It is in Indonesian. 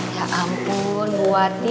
ya ampun bu ati